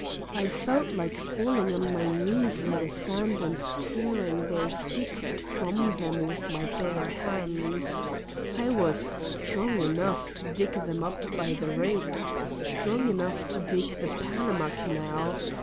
I felt like falling on my knees in the sand and tearing their secret from them with my bare hands. I was strong enough to dig them up by the roots, strong enough to dig the Panama Canal!